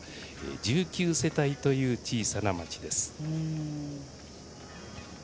１９世帯という小さな町です。